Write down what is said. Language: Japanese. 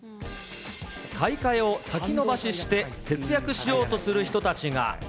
買い替えを先延ばしして節約しようとする人たちが。